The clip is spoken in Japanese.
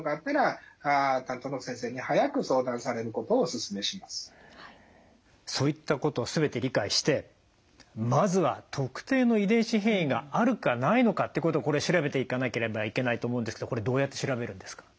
その一つがそういったことを全て理解してまずは特定の遺伝子変異があるかないのかってことをこれ調べていかなければいけないと思うんですけどこれどうやって調べるんですか？